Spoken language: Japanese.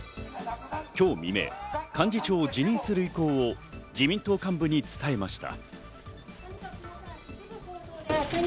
今日未明、幹事長を辞任する意向を自民党幹部に伝えました。